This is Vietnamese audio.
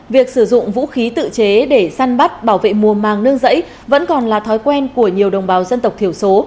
việc sử dụng vũ khí tự chế để săn bắt bảo vệ mùa màng nương giấy vẫn còn là thói quen của nhiều đồng bào dân tộc thiểu số